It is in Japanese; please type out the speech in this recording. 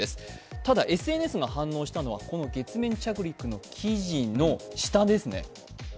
ただ、ＳＮＳが反応したのは、この月面着陸の記事の下ですね。